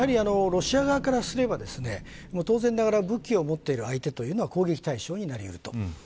やはり、ロシア側からすれば当然ながら武器を持っている相手は攻撃対象になり得ると。